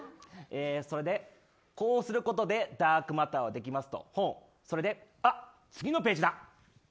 こうすることでダークマターはできますと次のページだ。